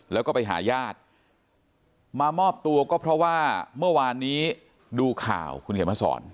แล้วก็ไปหาญาติมามอบตัวก็เพราะว่าเมื่อวานนี้ดูข่าวคุณเขียนมาสอน